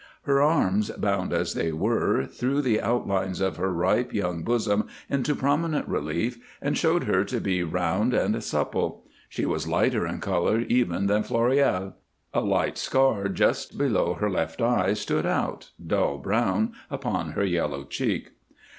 Her arms, bound as they were, threw the outlines of her ripe young bosom into prominent relief and showed her to be round and supple; she was lighter in color even than Floréal. A little scar just below her left eye stood out, dull brown, upon her yellow cheek.